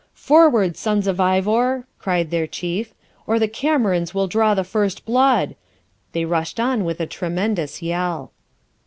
'Forward, sons of Ivor,' cried their Chief, 'or the Camerons will draw the first blood!' They rushed on with a tremendous yell.